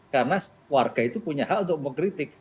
karena warga itu punya hak untuk mengkritik